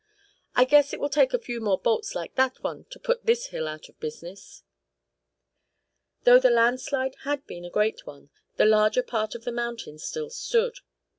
"I guess it will take a few more bolts like that one, to put this hill out of business." Though the landslide had been a great one, the larger part of the mountain still stood.